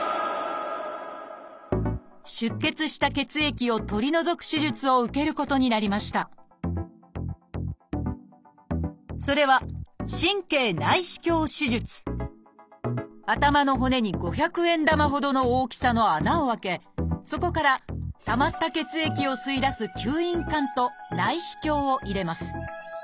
出血した血液を取り除く手術を受けることになりましたそれは頭の骨に五百円玉ほどの大きさの穴を開けそこからたまった血液を吸い出す吸引管と内視鏡を入れます。